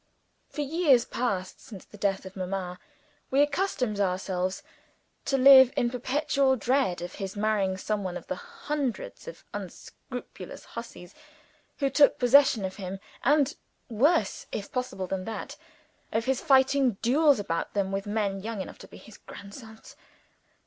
For years past (since the death of Mamma), we accustomed ourselves to live in perpetual dread of his marrying some one of the hundreds of unscrupulous hussies who took possession of him: and, worse if possible than that, of his fighting duels about them with men young enough to be his grandsons.